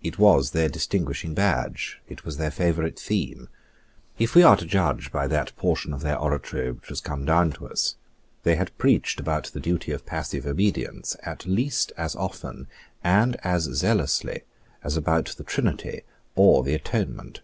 It was their distinguishing badge. It was their favourite theme. If we are to judge by that portion of their oratory which has come down to us, they had preached about the duty of passive obedience at least as often and as zealously as about the Trinity or the Atonement.